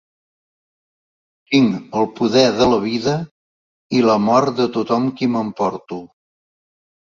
Tinc el poder de la vida i la mort de tothom qui m'emporto.